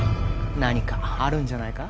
何かあるんじゃないか？